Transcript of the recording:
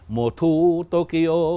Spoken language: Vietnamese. mùa thu tokyo